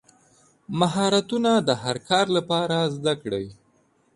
مهارتونه د هر کار لپاره زده کړئ.